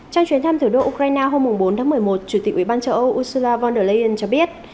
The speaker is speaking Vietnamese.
trong chuyến thăm thủ đô ukraine hôm bốn tháng một mươi một chủ tịch ủy ban châu âu ursula von der leyen cho biết